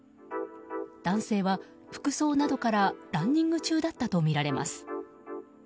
男性は、服装などからランニング中だったとみられます。